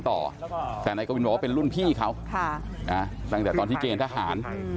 ตัวแต่นายกะวินบอกว่าเป็นรุ่นพี่เขาค่ะอ่ะตั้งแต่ตอนที่เจรต์ทหาร